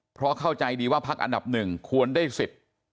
เพราะเข้าใจดีว่าพักอันดับหนึ่งควรได้สิทธิ์